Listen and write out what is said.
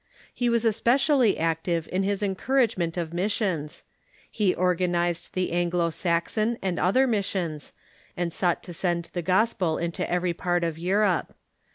He was especially active in his encouragement of missions. He organized the Anglo Saxon and other mis sions, and sought to send the gospel into every part of Europe.